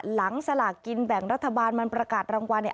สลากกินแบ่งรัฐบาลมันประกาศรางวัลเนี่ย